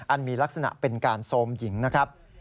มีลักษณะเป็นการโซมหญิงนะครับ